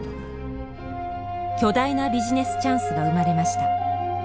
巨大なビジネスチャンスが生まれました。